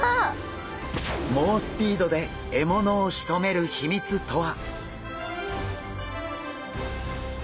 猛スピードで獲物をしとめる秘密とは？